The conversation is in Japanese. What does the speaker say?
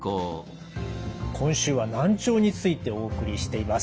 今週は難聴についてお送りしています。